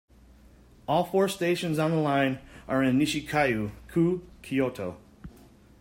All four stations on the line are in Nishikyo-ku, Kyoto.